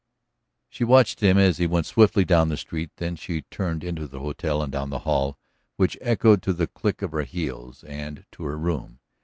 She watched him as he went swiftly down the street; then she turned into the hotel and down the hall, which echoed to the click of her heels, and to her room.